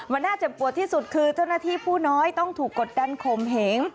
มันน่าเจ็บปวดที่สุดคือเจ้าหน้าที่ผู้น้อยต้องถูกกดดันข่มเหง